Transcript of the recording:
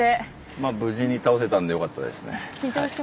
まあ無事に倒せたんでよかったですね。